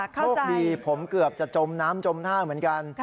โชคดีผมเกือบจะจมน้ำจมท่าเหมือนกัน